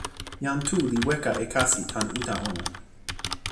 jan Tu li weka e kasi tan uta ona.